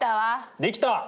できた？